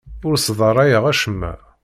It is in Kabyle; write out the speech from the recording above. Ur sdarayeɣ acemma.